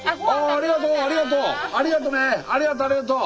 ありがとうありがとう！